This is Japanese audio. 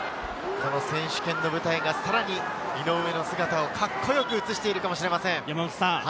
選手権の舞台がさらに井上の姿をかっこよく映しているかもしれません。